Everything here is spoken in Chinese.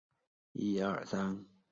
最高军职官员为。